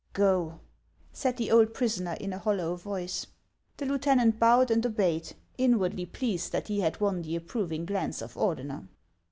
" Go !" said the old prisoner, in a hollow voice. The lieutenant bowed and obeyed, inwardly pleased that he had won the approving glance of Ordener.